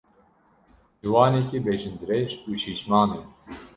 Ciwanekî bejindirêj û şîşman e.